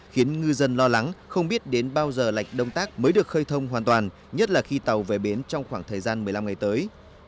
khiến ngư dân lo lắng không biết đến bao giờ lạnh đông tác mới được khơi thông hoàn toàn nhất là khi tàu về bến trong khoảng thời gian một mươi năm ngày tới